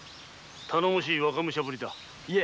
頼もしい若武者ぶりだ。